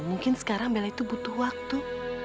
mungkin sekarang bela itu butuh waktu